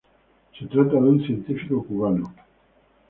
Se trata de un científico cubano.